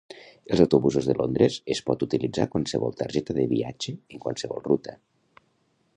Als autobusos de Londres es pot utilitzar qualsevol targeta de viatge en qualsevol ruta.